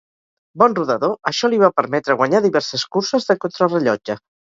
Bon rodador, això li va permetre guanyar diverses curses de contrarellotge.